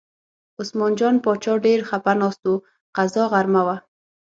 عثمان جان باچا ډېر خپه ناست و، قضا غرمه وه.